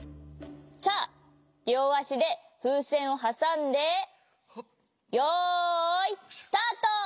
さありょうあしでふうせんをはさんでよいスタート！